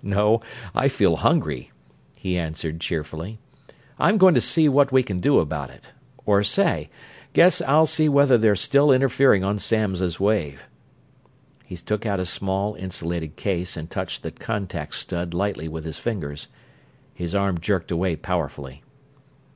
"No I feel hungry," he answered cheerfully. "I'm going to see what we can do about it or say, guess I'll see whether they're still interfering on Samms' wave." He took out a small, insulated case and touched the contact stud lightly with his fingers. His arm jerked away powerfully.